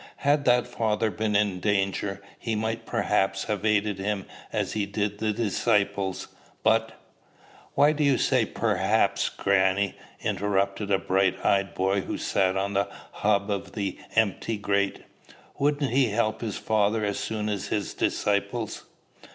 Had that father been in danger, he might perhaps have aided him as he did the disciples. But" "Why do you say perhaps, grannie?" interrupted a bright eyed boy who sat on the hob of the empty grate. "Wouldn't he help his father as soon as his disciples?"